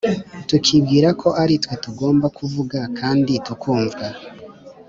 tukibwira ko ari twe tugomba kuvuga kandi tukumvwa.